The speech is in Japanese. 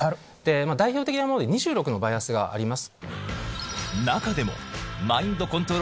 代表的なもので２６のバイアスがあります。